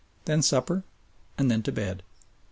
Then supper, and then to bed.